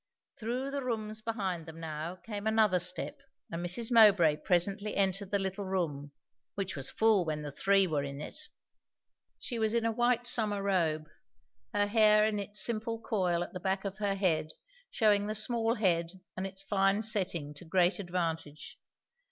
Through the rooms behind them now came another step, and Mrs. Mowbray presently entered the little room, which was full when the three were in it. She was in a white summer robe, her hair in its simple coil at the back of her head shewing the small head and its fine setting to great advantage.